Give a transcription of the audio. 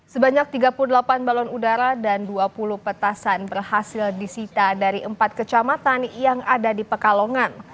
sebanyak tiga puluh delapan balon udara dan dua puluh petasan berhasil disita dari empat kecamatan yang ada di pekalongan